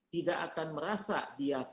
tidak akan merasa dia